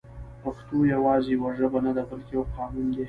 پښتو يوازې يوه ژبه نه ده بلکې يو قانون دی